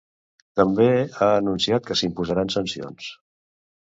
També ha anunciat que s'imposaran sancions.